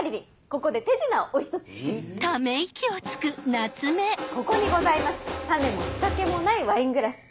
ここにございます種も仕掛けもないワイングラス。